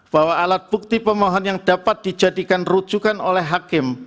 bahwa alat bukti pemohon yang dapat dijadikan rujukan oleh hakim